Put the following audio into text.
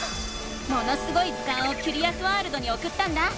「ものすごい図鑑」をキュリアスワールドにおくったんだ。